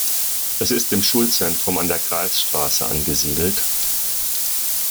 Es ist im Schulzentrum an der Kreisstraße angesiedelt.